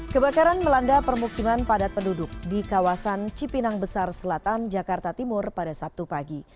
kebakaran melanda permukiman padat penduduk di kawasan cipinang besar selatan jakarta timur pada sabtu pagi